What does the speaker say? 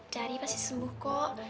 dari pasti sembuh kok